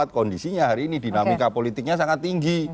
kondisinya hari ini dinamika politiknya sangat tinggi